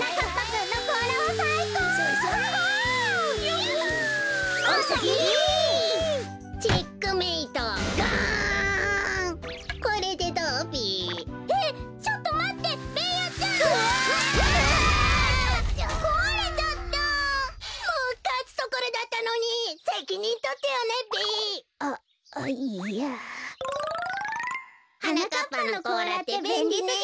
はなかっぱのこうらってべんりすぎる！